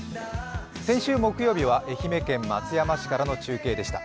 先週木曜日は、愛媛県松山市からの中継でした。